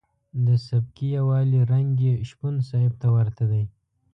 د سبکي یوالي رنګ یې شپون صاحب ته ورته دی.